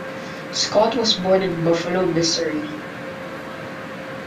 Scott was born in Buffalo, Missouri.